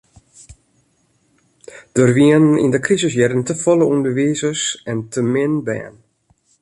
Der wienen yn de krisisjierren te folle ûnderwizers en te min bern.